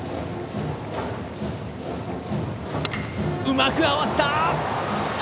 うまく合わせた！